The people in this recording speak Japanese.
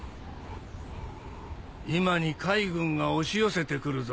今に海軍が押し寄せてくるぞ